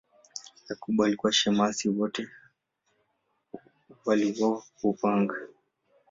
Yakobo alikuwa shemasi, wote waliuawa kwa upanga.